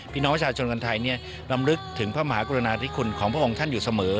พี่น้องประชาชนคนไทยรำลึกถึงพระมหากรุณาธิคุณของพระองค์ท่านอยู่เสมอ